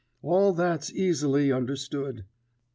all that's easily understood.